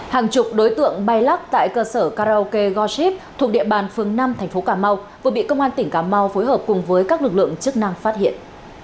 hàng chục đối tượng bay lắc tại cơ sở karaoke goship thuộc địa bàn phường năm thành phố cà mau vừa bị công an tỉnh cà mau phối hợp cùng với các lực lượng chức năng phát hiện